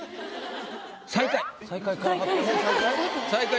最下位。